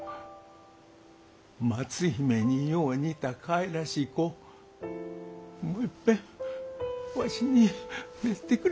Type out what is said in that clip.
松姫によう似たかいらしい子もういっぺんわしに見せてくれ。